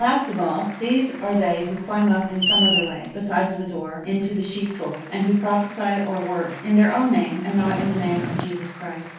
Last of all, these are they who climb up in some other way, besides the door, into the sheepfold; and who prophesy or work in their own name, and not in the name of Jesus Christ.